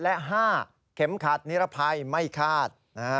และ๕เข็มขัดนิรภัยไม่คาด